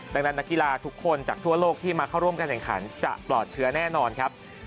ดังนั้นนักกีฬาทุกคนจากทั่วโลกที่มาเข้าร่วมการแข่งขันจะปลอดเชื้อแน่นอนครับ